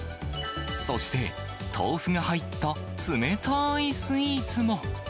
そして、豆腐が入った冷たーいスイーツも。